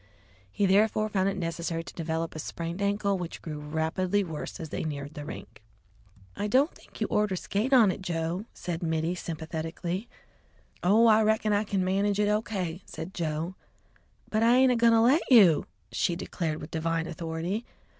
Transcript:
He therefore found it necessary to develop a sprained ankle, which grew rapidly worse as they neared the rink. "I don't think you orter skate on it, Joe!" said Mittie sympathetically. "Oh, I reckon I kin manage it all O.K.," said Joe. "But I ain't agoin' to let you!" she declared with divine authority.